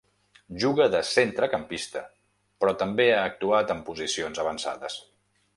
Juga de centrecampista però també ha actuat en posicions avançades.